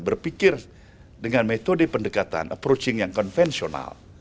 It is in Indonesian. berpikir dengan metode pendekatan approaching yang konvensional